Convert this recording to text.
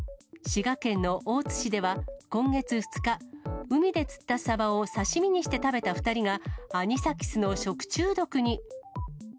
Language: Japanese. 滋賀県の大津市では今月２日、海で釣ったサバを刺身にして食べた２人が、アニサキスの食中毒に。